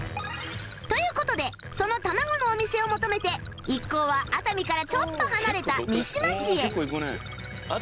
という事でその卵のお店を求めて一行は熱海からちょっと離れた三島市へ